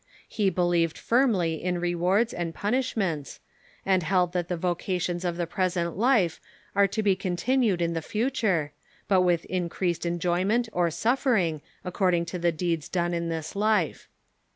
He believed firmly in re ^*^Sy^stem ^® wards and punishments, and held that the vocations of the present life are to be continued in the future, but with increased enjoyment or suffering, according to the deeds done in this life.